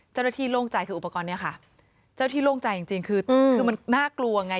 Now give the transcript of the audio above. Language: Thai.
เจ้าหน้าที่โล่งใจคืออุปกรณ์เนี่ยค่ะเจ้าหน้าที่โล่งใจจริงคือมันน่ากลัวไง